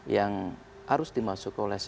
yang harus dimasukkan oleh setiap orang